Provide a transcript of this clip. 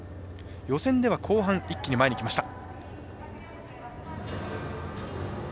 予選では、後半一気に前に来ました。